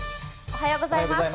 おはようございます。